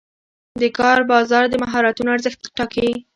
د کار بازار د مهارتونو ارزښت ټاکي.